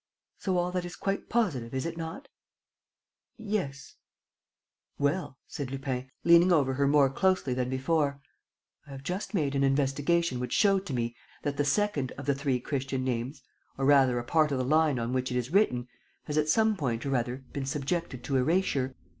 "So all that is quite positive, is it not?" "Yes." "Well," said Lupin, leaning over her more closely than before, "I have just made an investigation which showed to me that the second of the three Christian names, or rather a part of the line on which it is written, has at some time or other, been subjected to erasure.